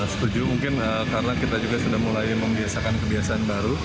setuju mungkin karena kita juga sudah mulai membiasakan kebiasaan baru